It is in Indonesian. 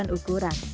bentuk dan ukuran